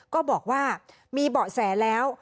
ก็บอกว่ามีเบาะแสแล้ว